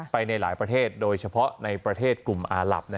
ในหลายประเทศโดยเฉพาะในประเทศกลุ่มอาหลับ